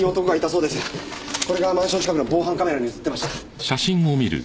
これがマンション近くの防犯カメラに映ってました。